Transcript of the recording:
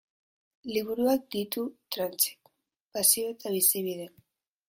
Liburuak ditu Tranchek pasio eta bizibide.